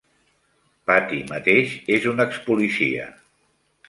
Patti mateix és un expolicia.